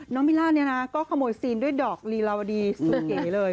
มิลล่าเนี่ยนะก็ขโมยซีนด้วยดอกลีลาวดีสุดเก๋เลย